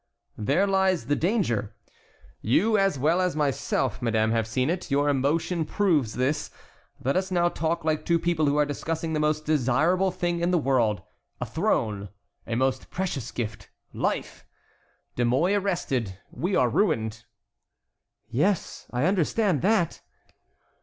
"There lies the danger. You, as well as myself, madame, have seen it. Your emotion proves this. Let us now talk like two people who are discussing the most desirable thing in the world—a throne; a most precious gift—life. De Mouy arrested, we are ruined." "Yes, I understand that."